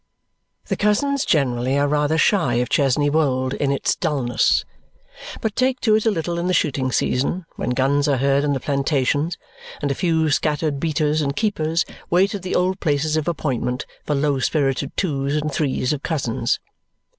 The cousins generally are rather shy of Chesney Wold in its dullness, but take to it a little in the shooting season, when guns are heard in the plantations, and a few scattered beaters and keepers wait at the old places of appointment for low spirited twos and threes of cousins.